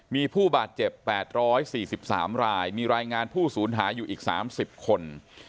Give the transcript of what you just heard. มีผู้บาดเจ็บ๘๔๓รายมีรายงานผู้สูญหายอยู่อีก๓๐คน